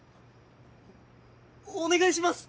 お願いします！